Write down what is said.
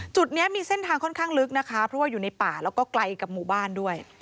จุดนี้มีเส้นทางค่อนข้างลึกนะคะเพราะว่าอยู่ในป่าแล้วก็ไกลกับหมู่บ้านด้วย